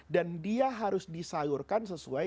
dan dia harus disayurkan sesuai